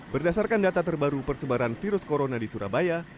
berdasarkan data terbaru persebaran virus corona di surabaya